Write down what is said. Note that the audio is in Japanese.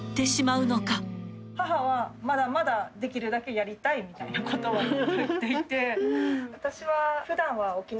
母はまだまだできるだけやりたいみたいなことをずっと言っていて。